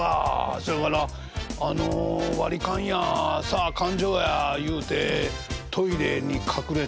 そやからあの割り勘やさあ勘定やいうてトイレに隠れてね